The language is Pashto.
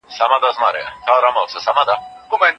محصلانو به درس زده کړی وي.